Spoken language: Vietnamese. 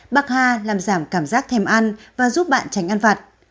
bạc ha làm giảm cảm giác thèm ăn và giúp bạn tránh ăn vặt